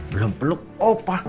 belum peluk opah